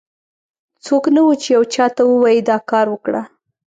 څوک نه و، چې یو چا ته ووایي دا کار وکړه.